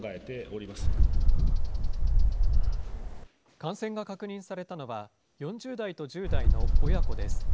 感染が確認されたのは、４０代と１０代の親子です。